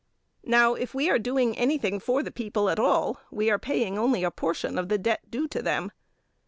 Now, if we are doing anything for the people at all, we are paying only a portion of the debt due to them.